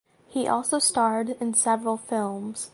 He also starred in several films.